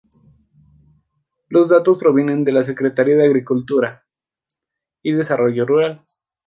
Los datos provienen de la "Secretaría de Agricultura y Desarrollo Rural".